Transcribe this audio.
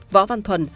võ văn thuần